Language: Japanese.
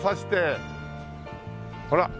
ほら。